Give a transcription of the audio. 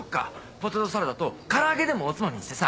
「ポテトサラダと唐揚げでもおつまみにしてさ」